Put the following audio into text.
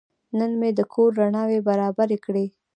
نن مې د کور رڼاوې برابرې کړې.